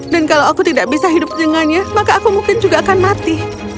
dan kalau aku tidak bisa hidup dengannya maka aku mungkin juga akan mati